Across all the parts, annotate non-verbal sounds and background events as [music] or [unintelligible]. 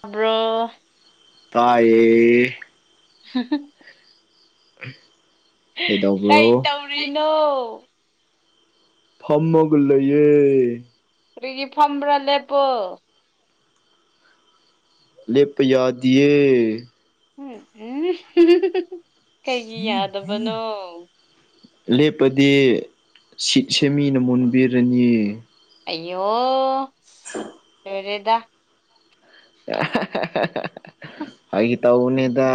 ꯇꯥꯕ꯭ꯔꯣ ꯇꯥꯏꯌꯦ [unintelligible] [inaudible] ꯀꯩꯗꯧꯕ꯭ꯔꯣ ꯀꯩ ꯇꯧꯔꯤꯅꯣ ꯐꯝꯃꯒ ꯂꯩꯌꯦ ꯀꯔꯤꯒꯤ ꯐꯝꯕ꯭ꯔꯥ ꯂꯦꯞꯄꯣ ꯂꯦꯞꯄ ꯌꯥꯗꯤꯌꯦ [unintelligible] ꯀꯩꯒꯤ ꯌꯥꯗꯕꯅꯣ ꯂꯦꯞꯄꯗꯤ ꯁꯤꯠꯁꯦ ꯃꯤꯅ ꯃꯨꯟꯕꯤꯔꯅꯤ ꯑꯩꯌꯣ [inaudible] ꯂꯣꯏꯔꯦꯗꯥ [unintelligible] ꯐꯥꯒꯤ ꯇꯧꯕꯅꯤꯗꯥ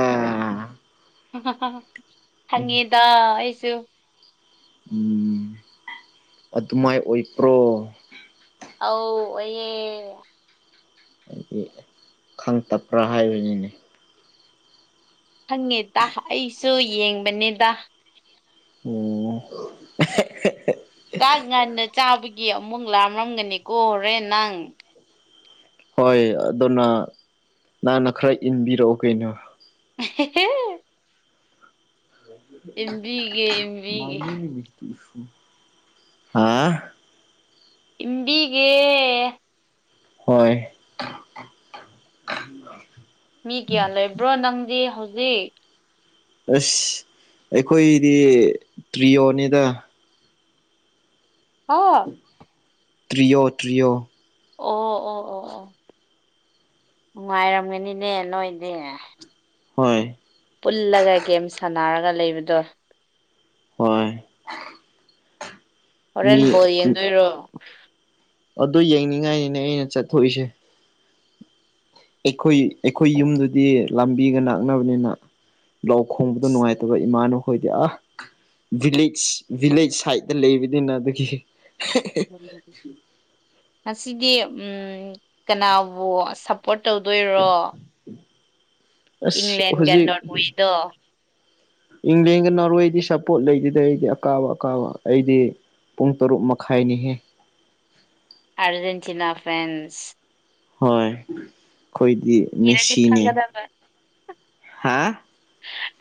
ꯈꯪꯉꯤꯗꯥ ꯑꯩꯁꯨ ꯎꯝ ꯑꯗꯨꯃꯥꯏ ꯑꯣꯏꯄ꯭ꯔꯣ ꯑꯣ ꯑꯣꯏꯌꯦ ꯍꯥꯏꯗꯤ ꯈꯪ ꯇꯞꯄ꯭ꯔꯥ ꯍꯥꯏꯕꯅꯤꯅꯦ ꯈꯪꯉꯦꯗ ꯑꯩꯁꯨ ꯌꯦꯡꯕꯅꯤꯗ ꯑꯣꯝ ꯑꯦꯍꯦ ꯆꯥꯛ ꯉꯟꯅ ꯆꯥꯕꯒꯤ ꯑꯃꯨꯛ ꯂꯥꯝꯔꯝꯒꯅꯤꯀꯣ ꯍꯣꯔꯦꯟ ꯅꯪ ꯍꯣꯏ ꯑꯗꯨꯅ ꯅꯪꯅ ꯈꯔ ꯏꯟꯕꯤꯔꯛꯎ ꯀꯩꯅꯣ [unintelligible] ꯏꯟꯕꯤꯒꯦ ꯏꯟꯕꯤꯒꯦ [unintelligible] ꯁꯨ ꯏꯝꯕꯤꯒꯦ ꯍꯣꯏ ꯃꯤ ꯀꯌꯥ ꯂꯩꯕ꯭ꯔꯣ ꯅꯪꯗꯤ ꯍꯧꯖꯤꯛ ꯑꯁ ꯑꯩꯈꯣꯏꯗꯤ ꯇ꯭ꯔꯤꯌꯣꯅꯤꯗ ꯍ ꯇ꯭ꯔꯤꯌꯣ ꯇ꯭ꯔꯤꯌꯣ ꯑꯣ ꯑꯣ ꯑꯣ ꯑꯣ ꯅꯨꯡꯉꯥꯏꯔꯝꯒꯅꯤꯅꯦ ꯅꯣꯏꯗꯤ ꯍꯣꯏ ꯄꯨꯜꯂꯒ ꯒꯦꯝ ꯁꯥꯟꯅꯔꯒ ꯂꯩꯕꯗꯣ ꯍꯣꯏ ꯃꯤ ꯍꯣꯔꯦꯟ ꯕꯣꯜ ꯌꯦꯡꯗꯣꯏꯔꯣ ꯑꯗꯨ ꯌꯦꯡꯅꯤꯡꯉꯥꯏꯅꯤꯅꯦ ꯑꯩꯅ ꯆꯠꯊꯣꯛꯏꯁꯦ ꯑꯩꯈꯣꯏ ꯑꯩꯈꯣꯏ ꯌꯨꯝꯗꯨꯗꯤ ꯂꯝꯕꯤꯒ ꯅꯛꯅꯕꯅꯤꯅ ꯂꯥꯎ ꯈꯣꯡꯕꯗꯣ ꯅꯨꯡꯉꯥꯏ ꯑꯗꯨꯒ ꯏꯃꯥꯟꯅꯕꯈꯣꯏꯗꯤ ꯑ ꯚꯤꯂꯦꯖ ꯚꯤꯂꯦꯖ ꯁꯥꯏꯗꯠꯇ ꯂꯩꯕꯅꯤꯅ ꯑꯗꯨꯒꯤ ꯉꯁꯤꯗꯤ ꯎꯝ ꯀꯅꯥꯕꯨ ꯁꯞ ꯄꯣꯠꯔ ꯇꯧꯗꯣꯏꯔꯣ ꯑꯁ ꯍꯧꯖꯤꯛ ꯗꯣ ꯏꯪꯂꯦꯟꯒ ꯅꯣꯔꯋꯦꯗꯤ ꯁꯞꯄꯣꯔꯠ ꯂꯩꯇꯦꯗ ꯑꯩꯗꯤ ꯑꯀꯥꯕ ꯑꯀꯥꯕ ꯑꯩꯗꯤ ꯄꯨꯡ ꯇꯔꯨꯛ ꯃꯈꯥꯏꯅꯤꯍꯦ ꯑꯔꯖꯦꯟꯇꯤꯅꯥ ꯐꯦꯟꯁ ꯍꯣꯏ ꯑꯩꯈꯣꯏꯗꯤ ꯁꯤꯔꯗꯤ ꯃꯦꯁꯤꯅꯦ ꯐꯒꯗꯕ ꯍꯥ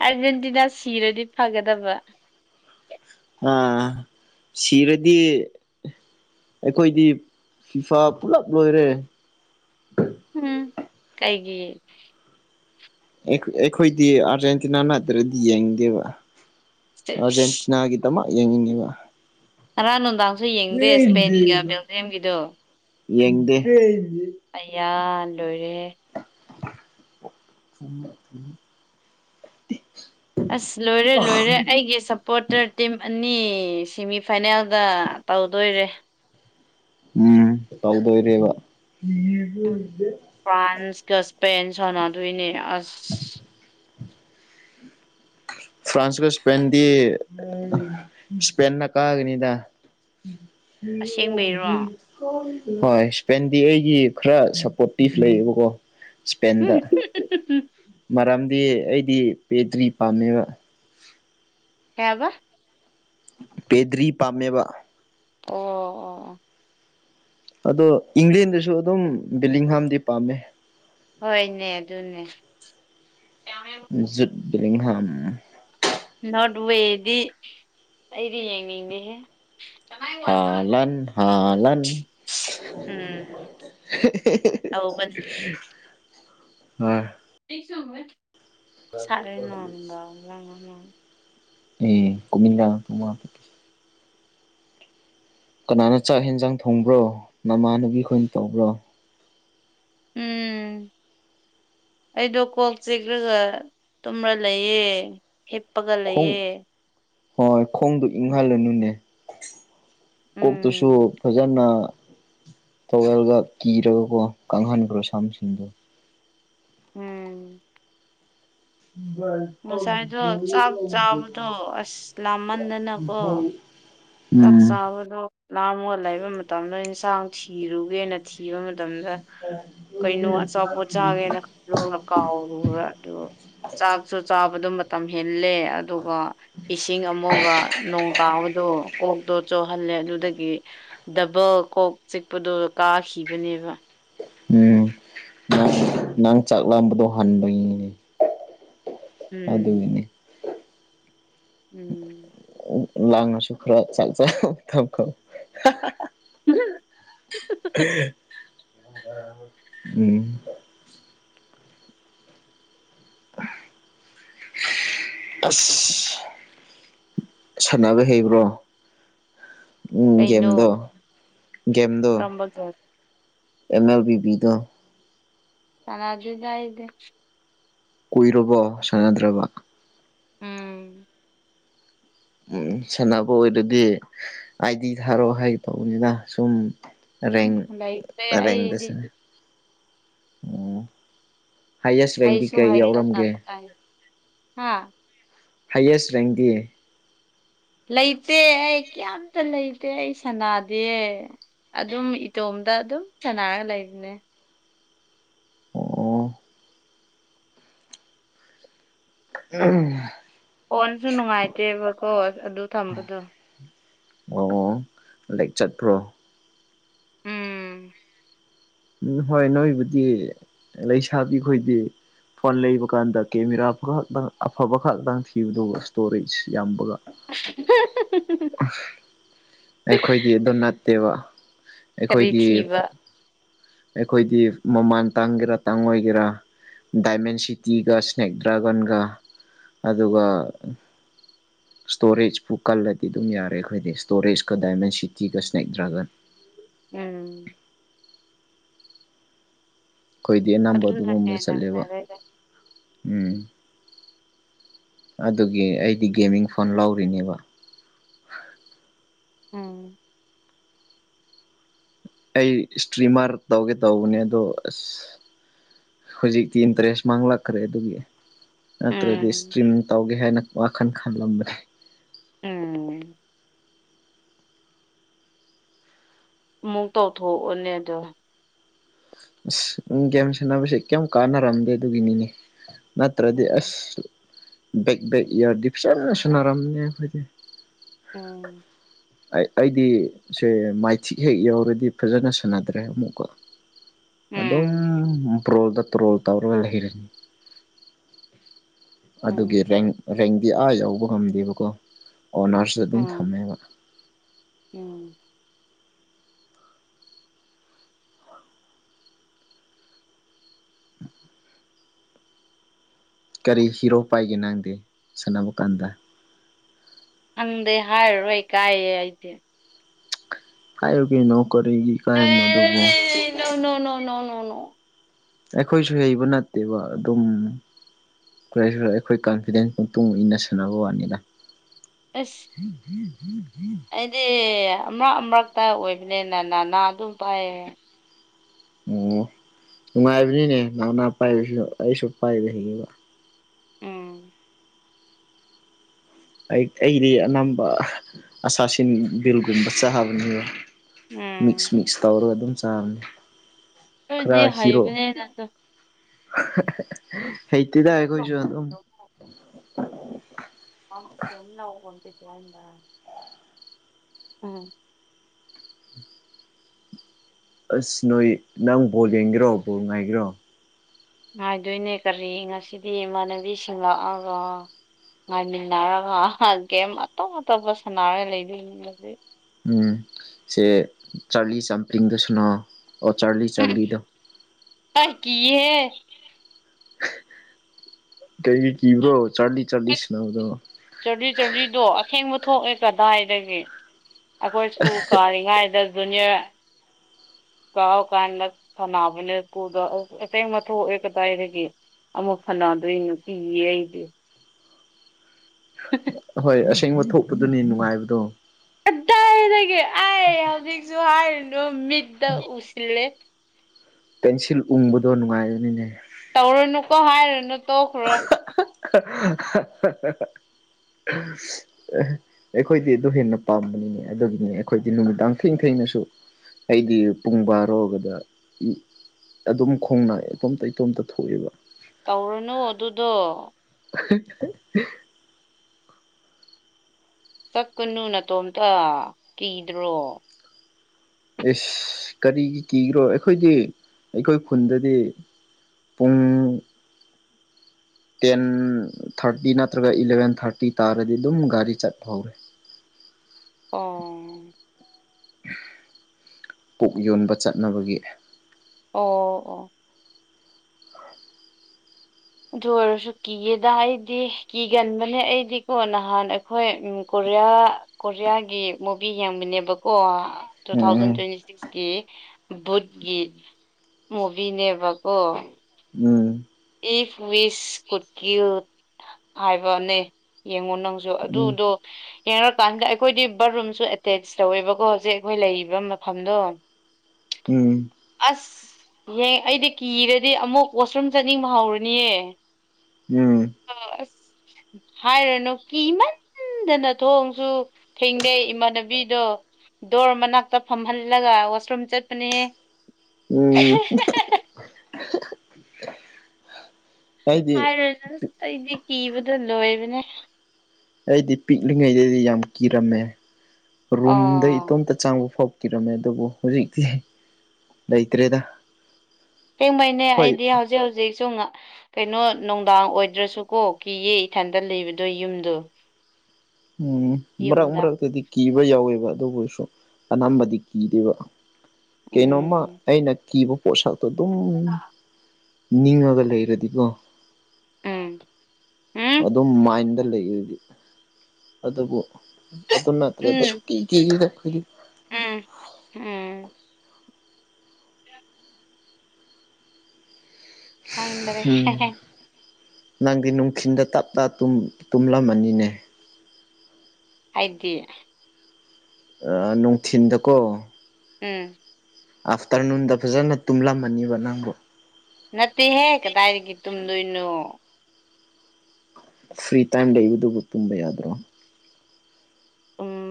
ꯑꯥꯔꯖꯦꯟꯇꯤꯅꯥ ꯁꯤꯔꯗꯤ ꯐꯥꯒꯗꯕ ꯑꯥ ꯁꯤꯔꯗꯤ ꯑꯩꯈꯣꯏꯗꯤ ꯐꯤꯐꯥ ꯄꯨꯂꯞ ꯂꯣꯏꯔꯦ ꯎꯝ ꯀꯩꯒꯤ ꯑꯩꯈꯣꯏꯗꯤ ꯑꯥꯔꯖꯦꯟꯇꯤꯅꯥ ꯅꯠꯇ꯭ꯔꯗꯤ ꯌꯦꯡꯗꯦꯕ ꯑꯥꯔꯖꯦꯟꯇꯤꯅꯥꯒꯤ ꯗꯃꯛ ꯌꯦꯡꯅꯤꯡꯉꯦꯕ ꯉꯔꯥꯡ ꯅꯨꯡꯗꯥꯡꯁꯨ ꯌꯦꯡꯗꯦ ꯏꯁꯄꯦꯟꯒ ꯕꯦꯜꯖꯤꯌꯝꯒꯤꯗꯨꯣ ꯌꯦꯡꯗꯦ ꯑꯌꯥ ꯂꯣꯏꯔꯦꯍꯦ [unintelligible] ꯑꯁ ꯂꯣꯏꯔꯦ ꯂꯣꯏꯔꯦ ꯑꯩꯒꯤ ꯁꯞꯄꯣꯔꯇꯔ ꯇꯤꯝ ꯑꯅꯤ ꯁꯦꯃꯤ ꯐꯥꯏꯅꯦꯜ ꯗ ꯇꯧꯗꯣꯏꯔꯦ ꯎꯝ ꯇꯧꯗꯣꯏꯔꯦꯕ ꯎꯝ ꯐ꯭ꯔꯥꯟꯁꯀ ꯏꯁꯄꯦꯟ ꯁꯥꯟꯅꯗꯣꯏꯅꯦ ꯑꯁ꯫ [inaudible] ꯐ꯭ꯔꯥꯟꯁꯀ ꯏꯁꯄꯦꯟꯗꯤ ꯏꯁꯄꯦꯟꯅ ꯀꯥꯒꯅꯤꯗ ꯑꯁꯦꯡꯕꯩꯔꯣ [unintelligible] ꯍꯣꯏ ꯏꯁꯄꯦꯟꯗꯤ ꯑꯩꯒꯤ ꯈꯔ ꯁꯞꯄꯣꯔꯠꯇꯤꯞ ꯂꯩꯌꯦꯕꯀꯣ ꯏꯁꯄꯦꯟꯗ [inaudible] ꯃꯔꯝꯗꯤ ꯑꯩꯗꯤ ꯄꯦꯇ꯭ꯔꯤ ꯄꯥꯝꯃꯦꯕ ꯀꯩ ꯍꯥꯏꯕ ꯄꯦꯗ꯭ꯔꯤ ꯄꯥꯝꯃꯦꯕ ꯑꯣ ꯑꯣ ꯑꯣ ꯑꯗꯣ ꯏꯪꯂꯦꯟꯗꯁꯨ ꯑꯗꯨꯝ ꯕꯦꯂꯤꯡ ꯍꯥꯥꯝꯗꯤ ꯄꯥꯝꯃꯦ ꯍꯣꯏꯅꯦ ꯑꯗꯨꯅꯦ ꯖꯨꯠ ꯕꯤꯂꯤꯡꯍꯝ ꯅꯣꯠꯋꯦꯗꯤ ꯑꯩꯗꯤ ꯌꯦꯅꯤꯡꯗꯦꯍꯦ ꯍꯂꯥꯟ ꯍꯂꯥꯟ [inaudible] ꯎꯝ ꯇꯧꯕꯅꯦ ꯍꯣꯏ ꯑꯩ ꯁꯨꯝꯃꯦ [unintelligible] ꯑꯩ ꯀꯨꯃꯤꯟꯅ ꯍꯨꯋꯥ ꯀꯅꯥꯅ ꯆꯥꯛ ꯌꯦꯟꯖꯥꯡ ꯊꯣꯡꯕ꯭ꯔꯣ ꯅꯃꯥꯟꯅꯕꯤ ꯈꯣꯏꯅ ꯇꯧꯕ꯭ꯔꯣ꯫ ꯎꯝ꯫ ꯑꯩꯗꯣ ꯀꯣꯛ ꯆꯦꯛꯂꯒ ꯇꯨꯝꯔꯥ ꯂꯩꯑꯦ ꯍꯤꯞꯄꯒ ꯈꯣꯡ ꯂꯩꯑꯦ꯫ ꯍꯣꯏ ꯈꯣꯡꯗꫭ ꯏꯪꯍꯜꯂꯨꯅꯨꯅꯦ꯫ ꯀꯣꯛꯇꯨꯁꯨ ꯎꯝ ꯐꯖꯅ ꯇꯧꯋꯦꯜꯒ ꯀꯤꯔꯒꯀꯣ ꯀꯪꯍꯟꯈ꯭ꯔꯣ ꯁꯥꯝꯁꯤꯡꯗꯣ꯫ ꯎꯝ꯫ ꯉꯁꯥꯏꯗꯣ ꯆꯥꯛ ꯆꯥꯕꯗꯣ [unintelligible] ꯑꯁ ꯂꯥꯝꯃꯟꯗꯅꯀꯣ [unintelligible] ꯆꯥꯛ ꯆꯥꯕꯗꯣ ꯂꯥꯝꯃꯒ ꯂꯩꯕ ꯃꯇꯝꯗ ꯏꯟꯁꯥꯡ ꯊꯤꯔꯨꯒꯦꯅ ꯊꯤꯕ ꯃꯇꯝꯗ ꯀꯩꯅꯣ ꯑꯆꯥꯄꯣꯠ ꯆꯥꯒꯦꯅ ꯂꯣꯛꯅ ꯀꯥꯎꯔꯨꯔ ꯑꯗꯨ ꯆꯥꯛꯁꯨ ꯆꯥꯕꯗꯣ ꯃꯇꯝ ꯍꯦꯜꯂꯦ ꯑꯗꯨꯒ ꯏꯁꯤꯡ ꯑꯃꯨꯒ ꯅꯣꯡ ꯇꯥꯕꯗꯣ꯫ ꯀꯣꯛꯇꯣ ꯆꯣꯍꯜꯂꯦ ꯑꯗꯨꯗꯒꯤ ꯗꯕꯜ ꯀꯣꯛ ꯆꯤꯛꯄꯗꯣ ꯀꯥꯈꯤꯕꯅꯦꯕ꯫ ꯎꯝ ꯅꯪ ꯅꯪ ꯆꯥꯛꯂꯝꯕꯗꯣ ꯍꯟꯕꯩꯅꯤ꯫ ꯎꯝ ꯑꯗꯨꯒꯤꯅꯤ꯫ ꯎꯝ꯫ ꯂꯥꯡꯉꯁꯨꯨꯈ꯭ꯔ ꯆꯥꯛ ꯆꯥꯕꯩ ꯈꯞ ꯈꯞ [unintelligible] ꯎꯝ꯫ [inaudible] ꯑꯁ ꯁꯥꯟꯅꯕꯩ ꯍꯩꯕ꯭ꯔꯣ꯫ ꯎꯝ ꯒꯦꯝꯗꯣ ꯀꯩꯅꯣ ꯒꯦꯝꯗꯣ ꯀꯔꯝꯕ ꯒ꯭ꯌꯥꯁ ꯑꯦꯝ ꯑꯦꯜ ꯕꯤ ꯕꯤꯗꯣ ꯁꯥꯟꯅꯗꯔꯤꯗ ꯑꯩꯗꯤ ꯀꯨꯏꯔꯕꯣ ꯁꯥꯟꯅꯗ꯭ꯔꯥꯕ ꯎꯝ꯫ ꯎꯝ ꯁꯥꯟꯅꯕ ꯑꯣꯏꯔꯗꯤ ꯑꯥꯏ-ꯗꯤ ꯊꯥꯔꯣꯛꯑꯣ ꯍꯥꯏꯒꯦ ꯇꯧꯕꯅꯤꯗ ꯁꯨꯝ ꯔꯦꯡ ꯂꯩꯇꯦ ꯔꯦꯡꯗ ꯑꯩꯗꯤ ꯁꯥꯟꯅꯩ ꯑꯣ ꯍꯥꯏꯌꯦꯁ ꯔꯦꯡꯗꯤ ꯍꯩꯁꯨ ꯀꯩ ꯍꯩꯇꯅ ꯌꯥꯎꯔꯝꯒꯦ ꯀꯗꯥꯏ ꯍꯥ ꯍꯥꯏꯌꯦꯁ ꯔꯦꯡꯗꯤ ꯂꯩꯇꯦ ꯑꯩ ꯀ꯭ꯌꯥꯝꯇ ꯂꯩꯇꯦ ꯑꯩ ꯁꯅꯥꯗꯦ ꯑꯗꯨꯝ ꯏꯇꯣꯝꯇ ꯑꯗꯨꯝ ꯁꯥꯟꯅꯔꯒ ꯂꯩꯕꯅꯦ ꯑꯣ [unintelligible] ꯐꯣꯟꯁꯨ ꯅꯨꯡꯉꯥꯏꯇꯦꯕꯀꯣ ꯑꯗꯨ ꯊꯝꯕꯗꯣ ꯂꯩꯛ ꯆꯠꯄ꯭ꯔꯣ ꯎꯝ ꯎꯝ ꯍꯣꯏ ꯅꯣꯏꯕꯨꯗꯤ ꯂꯩꯁꯥꯕꯤ ꯈꯣꯏꯗꯤ ꯐꯣꯟ ꯂꯩꯕ ꯀꯥꯟꯗ ꯀꯦꯃꯦꯔꯥ ꯈꯛꯇꯪ ꯑꯐꯕ ꯈꯛꯇꯪ ꯊꯤꯕꯗꯨ ꯏꯁ꯭ꯇꯣꯔꯦꯖ ꯌꯥꯝꯕꯒ ꯑꯩꯈꯣꯏꯗꯤ ꯑꯗꯨ ꯅꯠꯇꯦꯕ ꯀꯔꯤ ꯑꯩꯈꯣꯏꯗꯤ ꯊꯤꯕ ꯑꯩꯈꯣꯏꯗꯤ ꯃꯃꯥꯟ ꯇꯥꯡꯒꯦꯔꯥ ꯇꯥꯡꯉꯣꯏꯒꯦꯔꯥ ꯗꯥꯏꯃꯦꯟ ꯁꯤꯇꯤꯒ ꯏꯁꯅꯦꯛ ꯗ꯭ꯔꯥꯒꯟꯒ ꯑꯗꯨꯒ ꯁ꯭ꯇꯣꯔꯦꯖꯄꯨ ꯀꯜꯂꯗꯤ ꯑꯗꯨꯝ ꯌꯥꯔꯦ ꯑꯩꯈꯣꯏꯗꯤ ꯁ꯭ꯇꯣꯔꯦꯖꯀ ꯗꯥꯏꯃꯦꯟ ꯁꯤꯇꯤꯒ ꯏꯁꯅꯦꯛ ꯗ꯭ꯔꯥꯒꯟ ꯎꯝ ꯑꯩꯈꯣꯏꯗꯤ ꯑꯅꯝꯕ ꯑꯗꯨꯅ ꯑꯗꯨꯒꯨꯝꯕꯗ ꯍꯦꯟꯅ ꯆꯠꯂꯦꯕ ꯐꯔꯦꯗ ꯎꯝ ꯑꯗꯨꯒꯤ ꯑꯩꯗꯤ ꯒꯦꯃꯤꯡ ꯐꯣꯟ ꯂꯧꯔꯤꯅꯦꯕ ꯎꯝ ꯑꯩ ꯏꯁꯇ꯭ꯔꯤꯃꯥꯔ ꯇꯧꯒꯦ ꯇꯧꯕꯅꯦ ꯑꯗꯣ ꯑꯁ ꯍꯧꯖꯤꯛꯇꯤ ꯏꯟꯇ꯭ꯔꯦꯁ ꯃꯥꯡꯂꯛꯈ꯭ꯔꯦ ꯑꯗꯨꯒꯤ ꯅꯠꯇ꯭ꯔꯗꯤ ꯎꯝ ꯏꯁꯇ꯭ꯔꯤꯝ ꯇꯧꯒꯦ ꯍꯥꯏꯅ ꯋꯥꯈꯜ ꯈꯜꯂꯝꯕꯅꯦ ꯎꯝ ꯑꯃꯨꯛ ꯇꯧꯊꯣꯛ ꯑꯣꯅꯦ ꯑꯗꯣ ꯑꯁ ꯎꯝ ꯒꯦꯝ ꯁꯥꯟꯅꯕꯁꯦ ꯀꯩꯝ ꯀꯥꯟꯅꯔꯝꯗꯦ ꯑꯗꯨꯒꯤꯅꯤꯅꯦ ꯅꯠꯇ꯭ꯔꯗꯤ ꯎꯝ ꯑꯁ ꯕꯦꯛ ꯕꯦꯛ ꯏꯌꯥꯔꯗꯤ ꯐꯖꯅ ꯁꯨꯅꯔꯝꯅꯤꯍꯦ ꯑꯩꯈꯣꯏꯗꯤ ꯎꯝ ꯑꯩꯗꯤ ꯁꯦ ꯃꯥꯏꯊꯤꯛ ꯍꯦꯛ ꯌꯧꯔꯗꯤ ꯐꯖꯅ ꯁꯥꯟꯅꯗ꯭ꯔꯦ ꯑꯃꯨꯛꯀꯥ ꯑꯗꯨꯝ ꯎꯝ ꯄ꯭ꯔꯣꯜꯗ ꯇ꯭ꯔꯣꯜ ꯇꯧꯔꯒ ꯂꯩꯔꯦ ꯎꯝ ꯑꯗꯨꯒꯤ ꯔꯦꯡ ꯔꯦꯡꯗꯤ ꯑꯥ ꯌꯧꯕ ꯉꯝꯗꯦꯕꯀꯣ ꯑꯣꯅ꯭ꯔꯁꯇꯥ ꯑꯗꯨꯝ ꯎꯝ ꯊꯝꯃꯦꯕ ꯎꯝ ꯎꯝ ꯀꯔꯤ ꯍꯤꯔꯣ ꯄꯥꯏꯒꯦ ꯅꯪꯗꯤ ꯁꯥꯟꯅꯕ ꯀꯥꯟꯗ ꯈꯪꯗꯦ ꯍꯥꯏꯔꯔꯣꯏ ꯏꯀꯥꯏꯌꯦ ꯑꯩꯗꯤ ꯍꯥꯏꯔꯣ ꯀꯩꯅꯣ ꯀꯔꯤꯒꯤ ꯏꯀꯥꯏꯕꯅꯣ ꯑꯗꯨꯕꯣ ꯑꯦ ꯅꯣ ꯅꯣ ꯅꯣ ꯅꯣ ꯅꯣ ꯅꯣ ꯅꯣ ꯑꯩꯈꯣꯏꯁꯨ ꯍꯩꯕ ꯅꯠꯇꯦꯕ ꯑꯗꯨꯝ ꯑꯩꯈꯣꯏ ꯑꯩꯈꯣꯏ ꯑꯩꯈꯣꯏ ꯀꯟꯐꯤꯗꯦꯟꯁ ꯃꯇꯨꯡ ꯏꯟꯅ ꯁꯟꯅꯕ ꯋꯥꯅꯤꯗ ꯑꯁ [inaudible] ꯑꯩꯗꯤ ꯑꯃꯔꯥꯛ ꯑꯃꯔꯥꯛꯇ ꯑꯣꯏꯕꯅꯤꯅ ꯅꯅꯥ ꯑꯗꯨꯝ ꯄꯥꯏ ꯑꯣ ꯅꯨꯡꯉꯥꯏꯕꯅꯤꯅꯦ ꯅꯥꯅꯥ ꯄꯥꯏꯕꯁꯨ ꯑꯩꯁꯨ ꯄꯥꯏꯕ ꯍꯩꯌꯦꯕꯥ ꯎꯝ ꯑꯩꯗꯤ ꯑꯅꯝꯕ ꯑꯁꯥꯁꯤꯟ ꯕꯤꯜꯒꯨꯝꯕ ꯆꯥꯕꯅꯦꯕ ꯃꯤꯛꯁ ꯎꯝ ꯃꯤꯛꯁ ꯇꯧꯔꯒ ꯑꯗꯨꯝ ꯆꯥꯕꯅꯤ ꯈꯔ ꯑꯗꯨꯗꯤ ꯍꯤꯔꯣ ꯍꯩꯕꯅꯤꯅ ꯑꯗꯨꯝ ꯍꯩꯇꯦꯗꯥ ꯑꯩꯈꯣꯏꯁꯨ ꯑꯗꯨꯝ [unintelligible] ꯎꯝ ꯑꯁ ꯅꯣꯏ ꯅꯪ ꯕꯣꯜ ꯌꯦꯡꯒꯦꯔꯣ ꯕꯣꯜ ꯉꯥꯏꯒꯦꯔꯣ ꯉꯥꯏꯗꯣꯏꯅꯦ ꯀꯔꯤ ꯉꯁꯤꯗꯤ ꯏꯃꯥꯟꯅꯕꯤꯁꯤꯡꯂꯛꯑꯒ ꯉꯥꯏꯃꯤꯟꯅꯔꯒ ꯒꯦꯝ ꯑꯇꯣꯞ ꯑꯇꯣꯞꯄ ꯁꯥꯟꯅꯔꯒ ꯂꯩꯗꯣꯏꯅꯤ ꯎꯝ ꯁꯦ ꯆꯥꯔꯂꯤ ꯆꯝꯄꯂꯤꯡꯗꯨ ꯁꯅꯧꯑꯣ ꯆꯥꯔꯂꯤ ꯆꯥꯔꯂꯤꯗꯣ ꯍ‌ꯦ ꯀꯤꯌ‌ꯦꯍ‌ꯦ ꯀꯩꯒꯤ ꯀꯤꯕ꯭ꯔꯣ ꯆꯥꯔꯂꯤ ꯆꯥꯔꯂꯤ ꯁꯅꯥꯎꯗꯣ ꯆꯥꯔꯂꯤ ꯆꯥꯔꯂꯤꯗꯣ ꯑꯁꯦꯡꯕ ꯊꯣꯛꯑꯦ ꯀꯗꯥꯏꯗꯒꯤ ꯑꯩꯈꯣꯏ ꯁ‌ꯀꯨꯜ ꯀꯥꯔꯤꯉꯩꯗ ꯖꯨꯅꯤꯌꯔ ꯀꯥꯍ ꯀꯥꯟꯗ ꯁꯥꯟꯅꯕꯅꯦ ꯀꯨꯜꯗꯥ ꯑꯇ‌ꯦꯡꯕ ꯊꯣꯛꯑꯦ ꯀꯗꯥꯏꯒꯦ ꯑꯃꯨꯛ ꯐꯅꯗꯔꯤ ꯅꯨꯄꯤꯒꯤ ꯑꯩꯒꯤ [unintelligible] ꯑꯣꯏ ꯑꯁꯦꯡꯕ ꯊꯣꯛꯄꯗꯨꯅꯤ ꯅꯨꯡꯉꯥꯏꯕꯗꯣ ꯀꯗꯥꯏꯗꯒꯤ ꯑꯩꯥꯏ ꯍꯧꯖꯤꯛꯁꯨ ꯍꯥꯏꯔꯨꯅꯨ ꯃꯤꯠꯇ ꯎꯁꯤꯜꯂꯦ ꯄꯦꯟꯁꯤꯜ ꯎꯪꯕꯗꯣ ꯅꯨꯡꯉꯥꯏꯕꯅꯤꯅꯦ ꯇꯧꯔꯨꯅꯨꯀꯣ ꯍꯥꯏꯔꯨꯅꯨ ꯇꯣꯛꯈ꯭ꯔꯣ [unintelligible] ꯑꯩꯈꯣꯏꯗꯤ ꯑꯗꯨ ꯍꯦꯟꯅ ꯄꯥꯝꯕꯅꯤꯅꯦ ꯑꯗꯨꯒꯤꯅꯦ ꯑꯩꯈꯣꯏꯗꯤ ꯅꯨꯃꯤꯗꯥꯡ ꯊꯦꯡ ꯊ‌ꯦꯡꯅꯁꯨ ꯑꯩꯗꯤ ꯄꯨꯡ ꯕꯥꯔꯣꯒꯗ ꯑꯗꯨꯝ ꯈꯣꯡꯅꯥ ꯏꯇꯣꯝꯇ ꯏꯇꯣꯝꯇ ꯊꯣꯛꯑꯦꯕ ꯇꯧꯔꯅꯨ ꯑꯗꯨꯗꯣ [unintelligible] ꯆꯠꯀꯅꯨ ꯅꯇꯣꯝꯇ ꯀꯤꯗ꯭ꯔꯣ ꯏꯁ ꯀꯔꯤꯒꯤ ꯀꯤꯒꯦꯔꯣ ꯑꯩꯈꯣꯏꯗꯤ ꯑꯩꯈꯣꯏ ꯈꯨꯟꯗꯗꯤ ꯄꯨꯡ ꯇꯦꯟ ꯊꯥꯔꯇꯤ ꯅꯠꯇ꯭ꯔꯒ ꯏꯂꯚꯦꯟ ꯊꯥꯔꯇꯤ ꯇꯥꯔꯗꯤ ꯑꯗꯨꯝ ꯒꯥꯔꯤ ꯆꯠꯄ ꯍꯧꯔꯦ ꯑꯣ ꯄꯨꯛ ꯌꯣꯟꯕ ꯆꯠꯅꯕꯒꯤ ꯑꯣ ꯑꯣ ꯑꯗꯨ ꯑꯣꯏꯔꯁꯨ ꯀꯤꯌꯦꯗ ꯑꯩꯗꯤ ꯀꯤꯒꯟꯕꯅꯦ ꯑꯩꯗꯤꯀꯣ ꯅꯍꯥꯟ ꯑꯩꯈꯣꯏ ꯎꯝ ꯀꯣꯔꯤꯌꯥ ꯀꯣꯔꯤꯌꯥꯒꯤ ꯃꯨꯚꯤ ꯌꯦꯡꯕꯅꯦꯕꯀꯣ ꯇꯨ ꯊꯥꯎꯖꯟ ꯎꯝ ꯇ꯭ꯋꯦꯟꯇꯤ ꯁꯤꯛꯁꯀꯤ ꯚꯨꯠꯀꯤ ꯃꯨꯚꯤꯅꯦꯕꯀꯣ ꯎꯝ ꯏꯐ ꯋꯤꯁ ꯀꯨꯠ ꯀꯤꯜ ꯍꯥꯏꯕꯅꯦ ꯌꯦꯡꯉꯣ ꯅꯪꯁꯨ ꯎꯝ ꯑꯗꯨꯗꯣ ꯌꯦꯡꯔꯇꯥꯟꯗ ꯑꯩꯈꯣꯏꯗꯤ ꯕꯥꯠꯔꯨꯝꯁꯨ ꯑꯦꯇꯦꯆ ꯇꯧꯋꯦꯕꯀꯣ ꯍꯧꯖꯤꯛ ꯑꯩꯈꯣꯏ ꯂꯩꯔꯤꯕ ꯃꯐꯝꯗꯣ ꯎꯝ ꯎꯝ ꯑꯥꯁ ꯌꯦꯡ ꯑꯩꯗꯤ ꯀꯤꯔꯗꯤ ꯑꯃꯨꯛ ꯋꯥꯁꯔꯨꯝ ꯆꯠꯅꯤꯡꯕ ꯍꯧꯔꯅꯤꯌꯦ ꯎꯝ ꯑ ꯑꯁ ꯍꯥꯏꯔꯅꯣ ꯀꯤꯃꯟ ꯑꯟꯗꯅ ꯊꯣꯡꯁꯨ ꯊꯤꯡꯗꯦ ꯏꯃꯥꯟꯅꯕꯤꯗꯣ ꯗꯣꯔ ꯃꯅꯥꯛꯇ ꯐꯝꯍꯜꯂꯒ ꯋꯥꯁꯔꯨꯝ ꯆꯠꯄꯅꯦꯍꯦ ꯎꯝ [unintelligible] ꯑꯩꯗꯤ ꯍꯥꯏꯔꯅꯨ ꯑꯩꯗꯤ ꯀꯤꯕꯗ ꯂꯣꯏꯕꯅꯦ ꯑꯩꯗꯤ ꯄꯤꯛꯂꯤꯉꯩꯗꯗꯤ ꯌꯥꯝ ꯀꯤꯔꯝꯃꯦ ꯔꯨꯝꯗ ꯑꯥ ꯏꯇꯣꯝꯇ ꯆꯪꯕꯐꯥꯎ ꯀꯤꯔꯝꯃꯦ ꯑꯗꯨꯕꯨ ꯍꯧꯖꯤꯛꯇꯤ ꯂꯩꯇ꯭ꯔꯦꯗ꯫ ꯑꯁꯦꯡꯕꯩꯅꯦ ꯍꯣꯏ ꯑꯩꯗꯤ ꯍꯧꯖꯤꯛ-ꯍꯧꯖꯤꯛꯁꯨ ꯉ ꯀꯩꯅꯣ ꯅꯨꯡꯗꯥꯡ ꯑꯣꯏꯗ꯭ꯔꯁꯨꯀꯣ ꯀꯤꯌꯦ ꯏꯊꯟꯗ ꯂꯩꯕꯗꯣ ꯌꯨꯝꯗꯣ꯫ ꯎꯝ ꯃꯔꯥꯛ ꯌꯨꯝꯗ ꯃꯔꯥꯛꯇꯗꯤ ꯀꯤꯕ ꯌꯥꯎꯋꯦꯕ ꯑꯗꯨꯕꯨꯁꯨ ꯑꯅꯥꯝꯕꯗꯤ ꯀꯤꯗꯦꯕ ꯀꯩꯅꯣꯝꯃ ꯎꯝ ꯑꯩꯅ ꯀꯤꯕ ꯄꯣꯠꯁꯛꯇꯣ ꯑꯗꯨꯝ ꯅꯤꯡꯔꯒ ꯂꯩꯔꯗꯤꯀꯣ ꯎꯝ ꯎꯝ ꯑꯗꯨꯝ ꯃꯥꯏꯟꯗ ꯂꯩꯔꯗꯤ ꯑꯗꯨꯕꯨ ꯑꯗꯨ ꯅꯠꯇ꯭ꯔꯗꯤ ꯁꯨꯀꯤ [unintelligible] [unintelligible] ꯑꯝ ꯑꯝ ꯈꯪꯗ꯭ꯔꯦ ꯑꯝ ꯅꯪꯗꯤ ꯅꯨꯡꯊꯤꯟꯗ ꯇꯞ ꯇ ꯇꯨꯝ-ꯇꯨꯝꯂꯝꯃꯅꯤꯅꯦ꯫ ꯑꯩꯗꯤ ꯑꯥ ꯅꯨꯡꯊꯤꯟꯗꯀꯣ ꯎꯝ ꯑꯥꯐꯇꯔꯅꯨꯟꯗ ꯐꯖꯅ ꯇꯨꯝꯂꯝꯃꯅꯤꯕ ꯅꯪꯕꯣ꯫ ꯅꯠꯇꯦꯍꯦ ꯀꯗꯥꯏꯗꯒꯤ ꯇꯨꯝꯗꯣꯏꯅꯣ꯫ ꯐ꯭ꯔꯤ ꯇꯥꯏꯝ ꯂꯩꯔꯤꯗꯨꯕꯨ ꯇꯨꯝꯕ ꯌꯥꯗ꯭ꯔꯣ꯫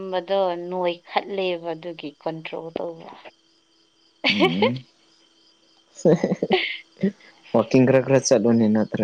ꯇꯨꯝꯕꯗꯣ ꯅꯣꯏꯈꯥꯠꯂꯦꯕ ꯑꯗꯨꯒꯤ ꯀꯟꯇ꯭ꯔꯣꯜ ꯇꯧꯕ꯫ [unintelligible] ꯋꯥꯀꯤꯡ ꯈ꯭ꯔ-ꯈ꯭ꯔ ꯆꯠꯂꯣꯅꯦ ꯅꯠꯇ꯭ꯔ